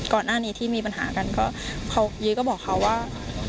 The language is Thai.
ก่อนหน้านี้ที่มีปัญหากันก็เขายุ้ยก็บอกเขาว่า